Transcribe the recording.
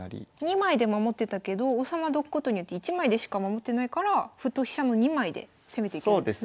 ２枚で守ってたけど王様どくことによって１枚でしか守ってないから歩と飛車の２枚で攻めていけるんですね。